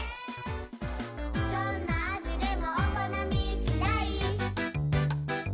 「どんな味でもお好みしだい」